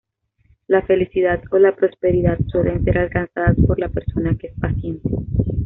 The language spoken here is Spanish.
La felicidad o la prosperidad suelen ser alcanzadas por la persona que es paciente.